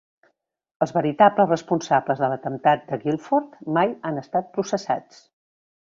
Els veritables responsables de l'atemptat de Guildford mai han estat processats.